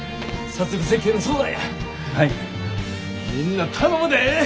みんな頼むで！